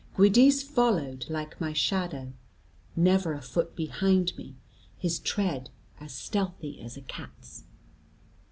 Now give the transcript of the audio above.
Giudice followed, like my shadow, never a foot behind me, his tread as stealthy as a cat's.